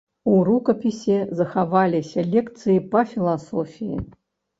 У рукапісе захаваліся лекцыі па філасофіі.